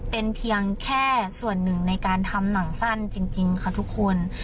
เป็นเพียงแค่ส่วนหนึ่งในการทำหนังสั้นจริงค่ะทุกคน